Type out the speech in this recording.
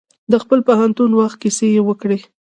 د خپل پوهنتون وخت کیسې یې وکړې.